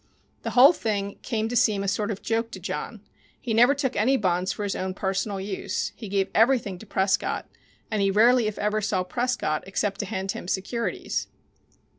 The whole thing came to seem a sort of joke to John. He never took any bonds for his own personal use. He gave everything to Prescott, and he rarely, if ever, saw Prescott except to hand him securities.